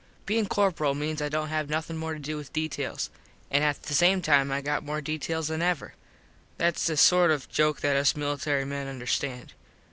Bein corperal means I dont have nothin more to do with details. An at the same time I got more details than ever. Thats a sort of a joke that us military men understand.